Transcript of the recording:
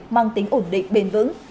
mang tính ổn định bền vững